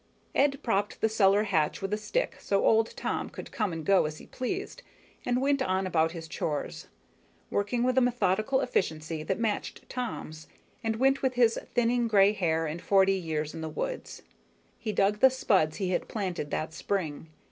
Ed propped the cellar hatch with a stick so old Tom could come and go as he pleased, and went on about his chores, working with a methodical efficiency that matched Tom's and went with his thinning gray hair and forty years in the woods. He dug the spuds he had planted that spring.